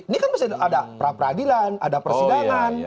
ini kan ada peradilan ada persidangan